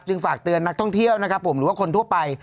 ฝากเตือนนักท่องเที่ยวนะครับผมหรือว่าคนทั่วไป